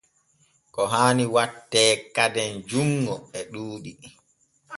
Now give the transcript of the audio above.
Ko haani watte kaden junŋo e ɗuuɗi.